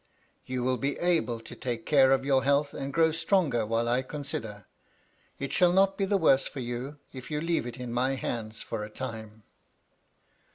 You will be able to take care of your health and grow stronger while I consider. It shall not be the worse for you, if you leave it in my hands for a time."